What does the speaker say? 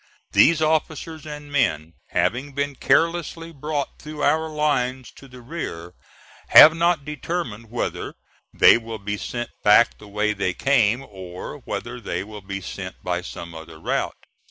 These officers and men having been carelessly brought through our lines to the rear have not determined whether they will be sent back the way they came, or whether they will be sent by some other route.